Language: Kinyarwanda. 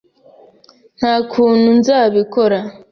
Nta kuntu nzabikora.